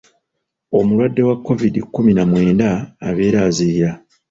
Omulwadde wa Kovidi kkumi na mwenda abeera aziyira.